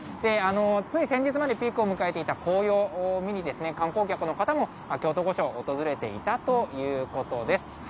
つい先日までピークを迎えていた紅葉を見に、観光客の方も京都御所を訪れていたということです。